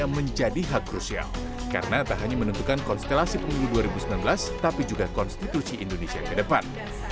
menjadi hak krusial karena tak hanya menentukan konstelasi pemilu dua ribu sembilan belas tapi juga konstitusi indonesia ke depan